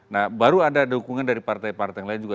nah baru ada dukungan dari partai partai yang lain juga